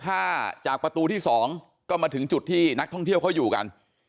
ถ้าจากประตูที่๒ก็มาถึงจุดที่นักท่องเที่ยวเขาอยู่กัน